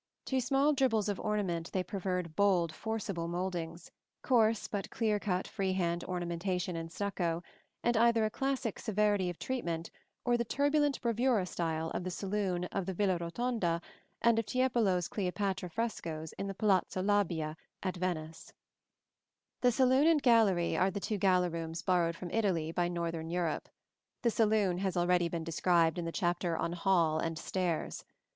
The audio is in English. To small dribbles of ornament they preferred bold forcible mouldings, coarse but clear cut free hand ornamentation in stucco, and either a classic severity of treatment or the turbulent bravura style of the saloon of the Villa Rotonda and of Tiepolo's Cleopatra frescoes in the Palazzo Labia at Venice. [Illustration: PLATE XLII. SALON À L'ITALIENNE. (FROM A PICTURE BY COYPEL.)] The saloon and gallery are the two gala rooms borrowed from Italy by northern Europe. The saloon has already been described in the chapter on Hall and Stairs.